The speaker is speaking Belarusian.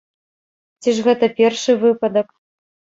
Ці ж гэта першы выпадак?